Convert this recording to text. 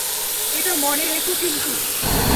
এটা মনে রেখো কিন্তু।